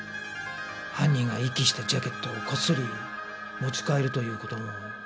犯人が遺棄したジャケットをこっそり持ち帰るという事も可能です。